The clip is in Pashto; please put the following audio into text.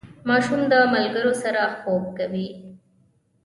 ماشوم د ملګرو سره خوب کوي.